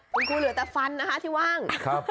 คุณครูเหลือแต่ฟันนะคะที่ว่าง